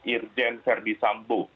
irjen ferdi sambu